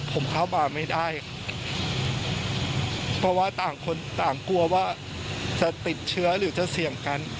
ผมเข้าบ้านไม่ได้ครับเพราะว่าต่างคนต่างกลัวว่าจะติดเชื้อหรือจะเสี่ยงกัน